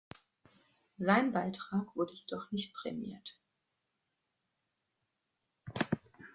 Sein Beitrag wurde jedoch nicht prämiert.